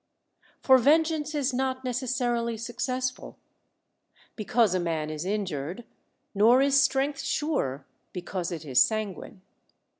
For vengeance is not neces sarily successful, because a man is injured ; nor is strength sure, because it is sanguine.